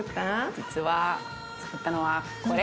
実はつくったのはこれ。